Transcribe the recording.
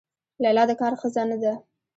لیلا د کار ښځه نه ده.